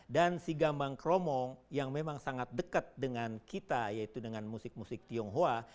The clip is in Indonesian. dan si gambang kromong yang memang sangat dekat dengan kita yaitu dengan musik musik tionghoa